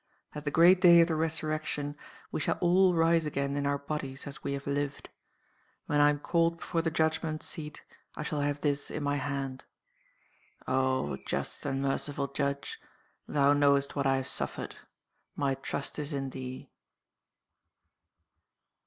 "At the great day of the Resurrection, we shall all rise again in our bodies as we have lived. When I am called before the Judgment Seat I shall have this in my hand. "Oh, just and merciful Judge, Thou knowest what I have suffered. My trust is in Thee."